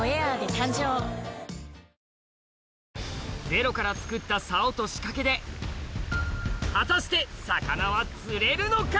ゼロから作った竿と仕掛けで果たして魚は釣れるのか！